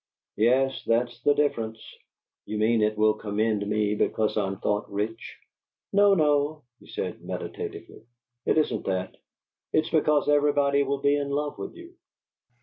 "Yes. That's the difference." "You mean it will commend me because I'm thought rich?" "No, no," he said, meditatively, "it isn't that. It's because everybody will be in love with you."